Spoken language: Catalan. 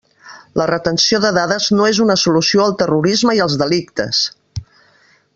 La retenció de dades no és una solució al terrorisme i als delictes!